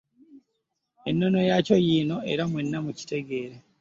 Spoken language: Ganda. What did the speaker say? Ennono yaakyo yiino era mwenna mukitegeere.